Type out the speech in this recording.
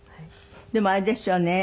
でもあれですよね。